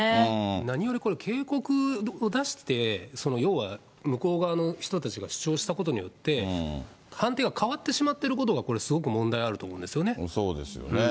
何よりこれ、警告を出して、要は、向こう側の人たちが主張したことによって、判定が変わってしまってることが、これ、そうですよね。